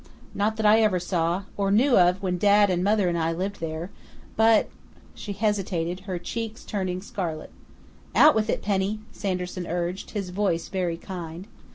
"Not that I ever saw, or knew of when Dad and Mother and I lived there, but " She hesitated, her cheeks turning scarlet. "Out with it, Penny!" Sanderson urged, his voice very kind.